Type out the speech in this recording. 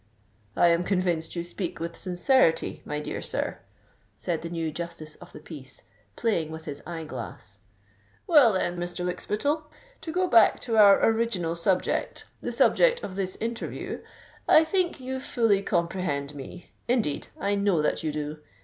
"I am convinced you speak with sincerity, my dear sir," said the new Justice of the Peace, playing with his eye glass. "Well, then, Mr. Lykspittal—to go back to our original subject—the subject of this interview—I think you fully comprehend me: indeed, I know that you do.